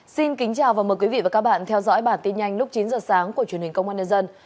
xin kính chào và mời quý vị và các bạn theo dõi bản tin nhanh lúc chín giờ sáng của truyền hình công an nhân dân